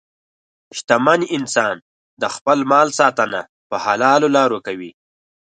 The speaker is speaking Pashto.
شتمن انسان د خپل مال ساتنه په حلالو لارو کوي.